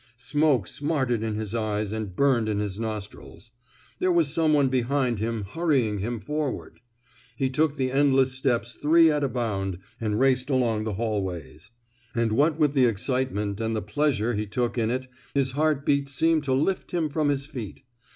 Smoke smarted in his eyes and burned in his nostrils. There was some one behind him hurrying him forward. He took the endless steps three at a bound and raced along the hallways. And what with the excitement, and the pleasure he took in it, his heart beats seemed to lift him from his feet.